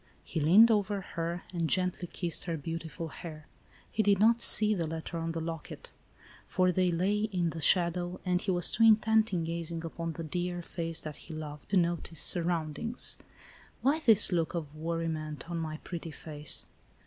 He leaned over her and gently kissed her beau tiful hair. He did not see the letter or the locket, for they lay in the shadow, and he was too intent in gazing upon the dear face that he loved, to notice surroundings. " Why this look of worriment on my pretty face